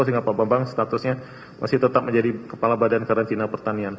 sehingga pak bambang statusnya masih tetap menjadi kepala badan karantina pertanian